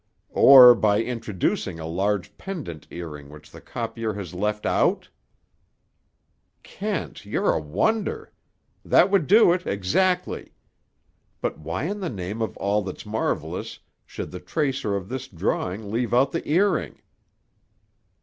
"Or by introducing a large pendant earring which the copier has left out?" "Kent, you're a wonder! That would do it, exactly. But why in the name of all that's marvelous, should the tracer of this drawing leave out the earring?"